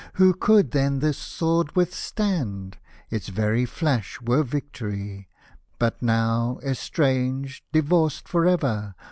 who could then this sword withstand ? Its very flash were victory I But now — estranged, divorced for ever.